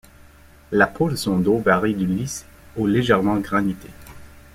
La peau de son dos varie du lisse au légèrement granité.